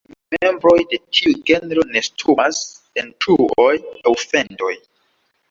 Ĉiuj membroj de tiu genro nestumas en truoj aŭ fendoj.